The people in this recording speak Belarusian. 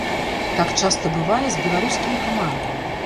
Так часта бывае з беларускімі камандамі.